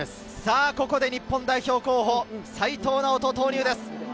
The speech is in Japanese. ここで日本代表候補、齋藤直人が投入です。